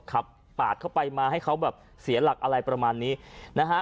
ขับปาดเข้าไปมาให้เขาแบบเสียหลักอะไรประมาณนี้นะฮะ